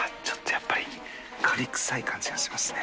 やっぱりカビ臭い感じがしますね。